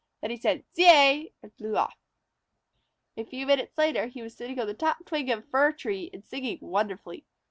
Then he said, "Zeay!" and flew off. A few minutes later he was sitting on the top twig of a fir tree and singing wonderfully.